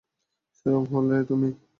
সেই রং হলে তুমি।